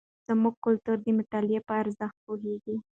زموږ کلتور د مطالعې په ارزښت پوهیږي.